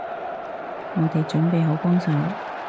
我哋準備好幫手